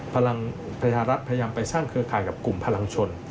พลังประชารัฐพยายามไปสร้างเครือข่ายกับกลุ่มพลังชน